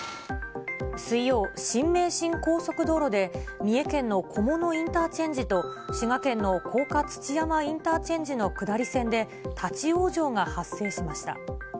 水曜、新名神高速道路で三重県のこものインターチェンジと、滋賀県の甲賀土山インターチェンジの下り線で立往生が発生しました。